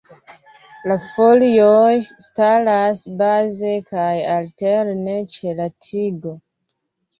La folioj staras baze kaj alterne ĉe la tigo.